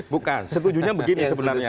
bukan setujunya begini sebenarnya